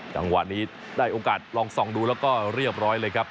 จังหวะนี้ได้โอกาสลองส่องดูแล้วก็เรียบร้อยเลยครับ